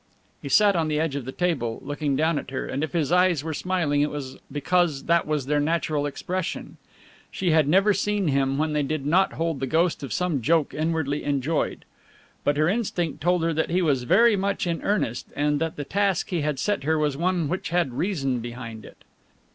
He sat on the edge of the table, looking down at her, and if his eyes were smiling it was because that was their natural expression. She had never seen them when they did not hold the ghost of some joke inwardly enjoyed. But her instinct told her that he was very much in earnest and that the task he had set her was one which had reason behind it.